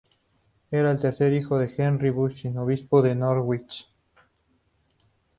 Era el tercer hijo de Henry Bathurst, obispo de Norwich.